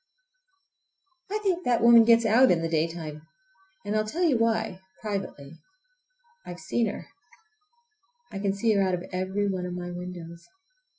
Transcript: I think that woman gets out in the daytime! And I'll tell you why—privately—I've seen her! I can see her out of every one of my windows!